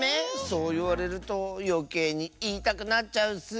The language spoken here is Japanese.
そういわれるとよけいにいいたくなっちゃうッス。